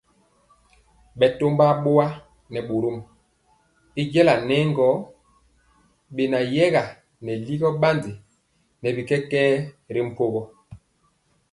Bɛtɔmba boa nɛ bɔrɔm y jala nɛ gɔ beyɛga nɛ ligɔ bandi nɛ bi kɛkɛɛ ri mpogɔ.